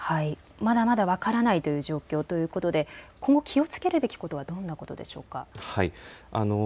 まだまだ分からないという状況ということで今後、気をつけるべきことはどんなことでしょうか。